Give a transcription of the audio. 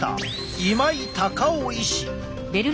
今井貴夫医師。